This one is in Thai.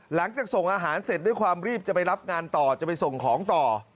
ส่งอาหารเสร็จด้วยความรีบจะไปรับงานต่อจะไปส่งของต่อ